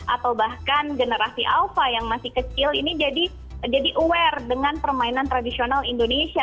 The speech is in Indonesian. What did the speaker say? atau bahkan generasi alpha yang masih kecil ini jadi aware dengan permainan tradisional indonesia